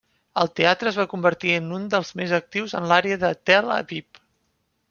El teatre es va convertir en un dels més actius de l'àrea de Tel Aviv.